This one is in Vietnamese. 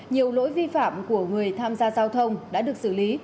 nhiều lỗi vi phạm của người tham gia giao thông đã được xử lý